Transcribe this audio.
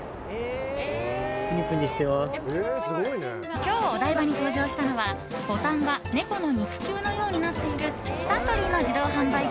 今日お台場に登場したのはボタンが猫の肉球のようになっているサントリーの自動販売機